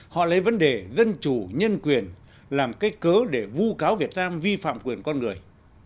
họ lấy vấn đề dân chủ nhân quyền làm cách cớ để vu cáo việt nam vi phạm quyền con người